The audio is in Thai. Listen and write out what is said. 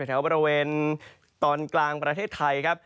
แถวบริเวณตอนกลางประเทศไทยครับ